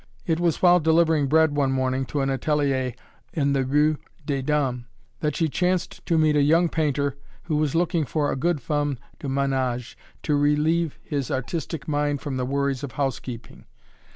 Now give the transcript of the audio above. It was while delivering bread one morning to an atelier in the rue des Dames, that she chanced to meet a young painter who was looking for a good femme de ménage to relieve his artistic mind from the worries of housekeeping.